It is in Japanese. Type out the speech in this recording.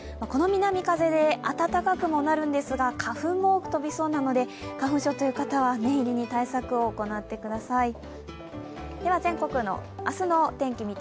この南風で暖かくもなるんですが、花粉も多く飛びそうなので花粉症という方は、念入りに対策を行ってください。